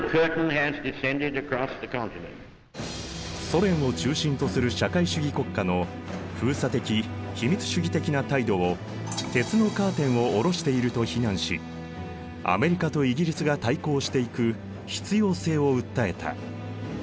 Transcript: ソ連を中心とする社会主義国家の封鎖的秘密主義的な態度を鉄のカーテンをおろしていると非難しアメリカとイギリスが対抗していく必要性を訴えた。